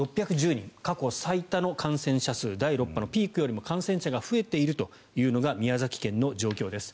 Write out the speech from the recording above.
過去最多の感染者数第６波のピークよりも感染者が増えているというのが宮崎県の状況です。